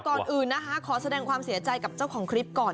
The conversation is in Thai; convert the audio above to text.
ก่อนอื่นนะคะขอแสดงความเสียใจกับเจ้าของคลิปก่อน